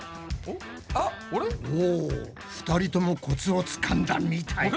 お２人ともコツをつかんだみたい。